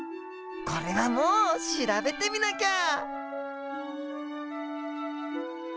これはもう調べてみなきゃ！